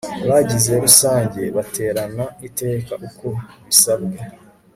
abagize rusange baterana iteka uko bisabwe